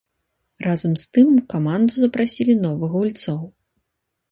Разам з тым у каманду запрасілі новых гульцоў.